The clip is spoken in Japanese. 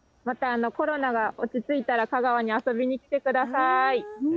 またコロナが落ち着いたら、香川に遊びに来てください。